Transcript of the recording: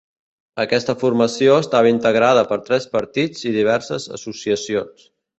Aquesta formació estava integrada per tres partits i diverses associacions.